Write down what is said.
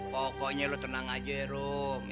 pokoknya lo tenang aja ya rom